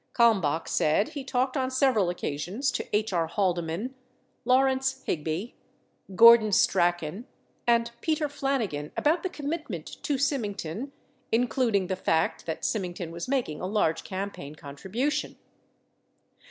Kalmbach said he talked on several occasions to H. R. Haldeman, Lawrence Higby, Gordon Strachan, and Peter Flanigan about the commitment to Symington, including the fact that Symington was making a large campaign contribution.